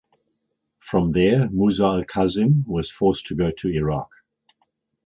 From there Musa al Kazim was forced to go to Iraq.